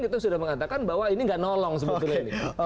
kita sudah mengatakan bahwa ini tidak menolong sebetulnya